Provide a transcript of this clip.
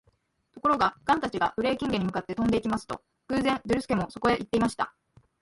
ところが、ガンたちがブレーキンゲに向かって飛んでいきますと、偶然、ズルスケもそこへいっていました。